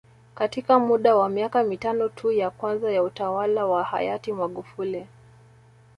Katika muda wa miaka mitano tu ya kwanza ya utawala wa hayati Magufuli